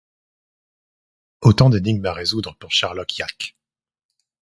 Autant d'énigmes à résoudre pour Sherlock Yack.